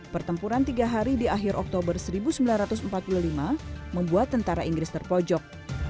pertempuran tiga hari di akhir oktober seribu sembilan ratus empat puluh lima membuat tentara inggris terpojok